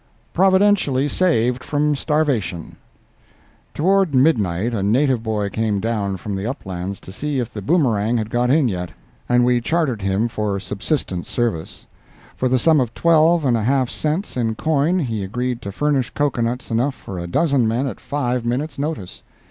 PROVIDENTIALLY SAVED FROM STARVATION Toward midnight a native boy came down from the uplands to see if the Boomerang had got in yet, and we chartered him for subsistence service. For the sum of twelve and a half cents in coin he agreed to furnish cocoa nuts enough for a dozen men at five minutes' notice.